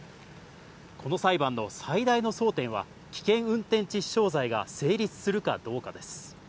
この裁判の最大の争点は、危険運転致死傷罪が成立するかどうかです。